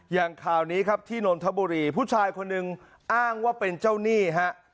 อย่างข่าวนี้ครับที่นนทบุรีผู้ชายคนหนึ่งอ้างว่าเป็นเจ้าหนี้ฮะ